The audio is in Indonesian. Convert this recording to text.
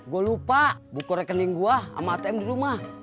gue lupa buku rekening gue sama atm di rumah